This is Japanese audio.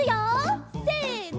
せの。